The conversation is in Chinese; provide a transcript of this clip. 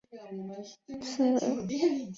裂萼大乌泡为蔷薇科悬钩子属下的一个变种。